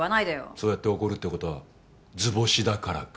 そうやって怒るってことは図星だからか。